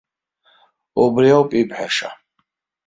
Убри ауп ибҳәаша!